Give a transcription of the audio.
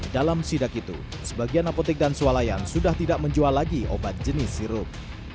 dalam sidak itu sebagian apotek dan sualayan sudah tidak menjual lagi obat jenis sirup